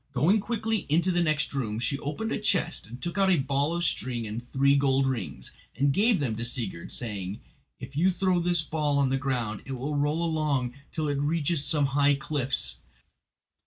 Going quickly into the next room she opened a chest and took out a ball of string and three gold rings, and gave them to Sigurd, saying: "If you throw this ball on the ground it will roll along till it reaches some high cliffs.